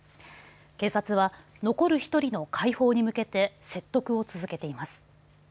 警察は残る１人の解放に向けて説得を続けています。